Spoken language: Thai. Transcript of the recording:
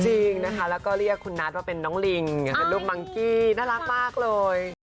จริงนะคะแล้วก็เรียกคุณนัทว่าเป็นน้องลิงเป็นรูปมังกี้น่ารักมากเลย